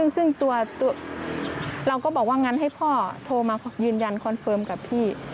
ซึ่งตัวเราก็บอกว่างั้นให้พ่อโทรมายืนยันคอนเฟิร์มกับพี่